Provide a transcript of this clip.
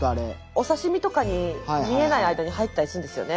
お刺身とかに見えない間に入ってたりするんですよね。